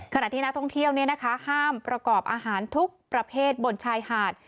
ขณะที่นักท่องเที่ยวห้ามประกอบอาหารทุกประเภทบนชายหาด